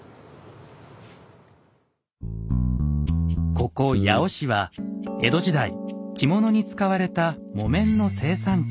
ここ八尾市は江戸時代着物に使われた木綿の生産地。